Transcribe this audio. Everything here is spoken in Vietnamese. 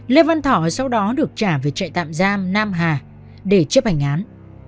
lê văn thọ sau đó được trả về trại tạm giam nam hà để chấp hành án